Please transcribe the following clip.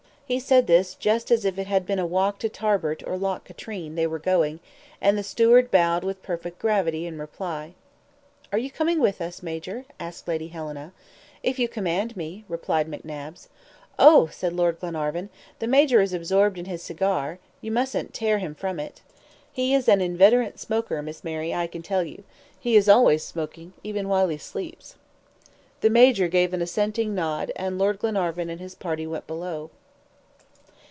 He said this just as if it had been a walk to Tarbert or Loch Katrine they were going, and the steward bowed with perfect gravity in reply. "Are you coming with us, Major?" asked Lady Helena. "If you command me," replied McNabbs. "Oh!" said Lord Glenarvan; "the Major is absorbed in his cigar; you mustn't tear him from it. He is an inveterate smoker, Miss Mary, I can tell you. He is always smoking, even while he sleeps." The Major gave an assenting nod, and Lord Glenarvan and his party went below.